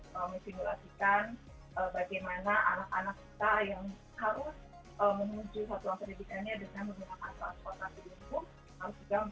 memisimulasikan bagaimana anak anak kita yang harus menuju satu angka didikanya dengan menggunakan transportasi lingkung